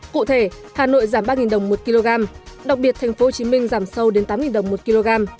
cụ thể hà nội giảm ba đồng một kg đặc biệt tp hcm giảm sâu đến tám đồng một kg